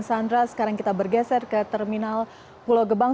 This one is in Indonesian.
sandra sekarang kita bergeser ke terminal pulau gebang